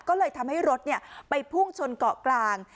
ก็เลยทำให้รถไปพุ่งชนเกาะกลาง